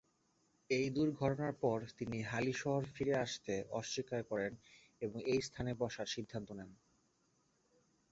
এই দুর্ঘটনার পর তিনি হালিশহর ফিরে আসতে অস্বীকার করেন এবং এই স্থানে বসার সিদ্ধান্ত নেন।